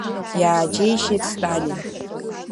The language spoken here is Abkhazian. Иааџьеишьеит Сталин.